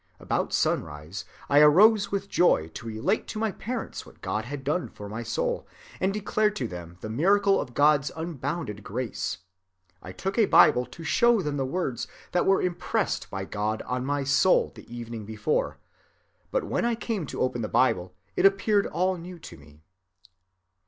About sunrise I arose with joy to relate to my parents what God had done for my soul, and declared to them the miracle of God's unbounded grace. I took a Bible to show them the words that were impressed by God on my soul the evening before; but when I came to open the Bible, it appeared all new to me.